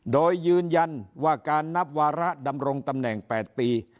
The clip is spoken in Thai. โดยยืนยันว่าการนับวาระดำรงตำแหน่ง๘ปี